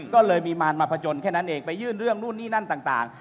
ก็เลยมีมารมาผจญแค่นั้นเองไปยื่นเรื่องนู่นนี่นั่นต่าง